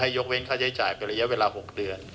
ยกเว้นค่าใช้จ่ายเป็นระยะเวลา๖เดือน